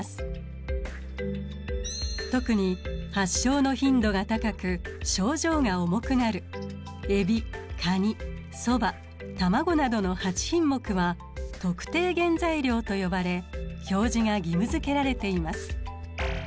特に発症の頻度が高く症状が重くなるエビカニそば卵などの８品目は特定原材料と呼ばれ表示が義務づけられています。